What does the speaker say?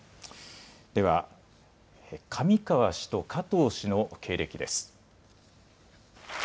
では上川氏と加藤氏の経歴です。